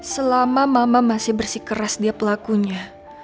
selama mama masih bersikeras dia pelakunya